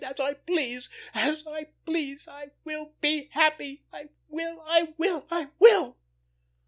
As I please, as I please! I will be happy. I will, I will, I will!"